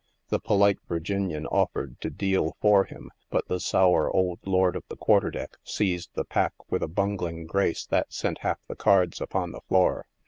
The polite Virginian offered to deal for him, but the sour old lord of the quarter deck seized the pack with a bungling grace that sent half the cards upon the floor.